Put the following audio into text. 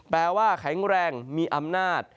แปลว่าแข็งแรงมีอำนาจ